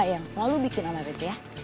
yang selalu bikin alert ya